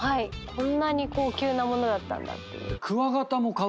こんなに高級な物だったんだって。